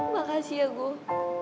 makasih ya gue